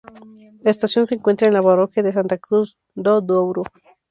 La estación se encuentra en la parroquia de Santa Cruz do Douro.